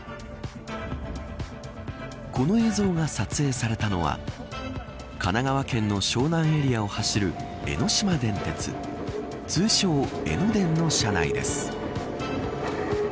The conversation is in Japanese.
この映像が撮影されたのは神奈川県の湘南エリアを走る江ノ島電鉄通称、江ノ電の車内です。